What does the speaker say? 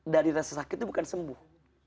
dari rasa sakit itu bukan sembuh